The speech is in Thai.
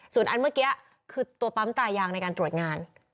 ส่วนอันเมื่อกี้คือตัวปั๊มตายางในการตรวจงาน